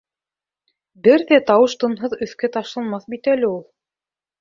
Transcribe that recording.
Бер ҙә тауыш-тынҺыҙ өҫкә ташланмаҫ бит әле ул!